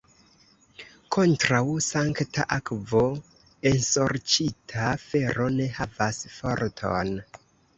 Kontraŭ sankta akvo ensorĉita fero ne havas forton.